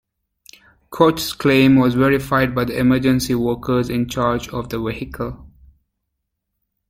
Koch's claim was verified by the emergency workers in charge of the vehicle.